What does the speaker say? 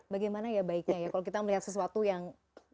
bagaimana ya baiknya ya kalau kita melihat sesuatu yang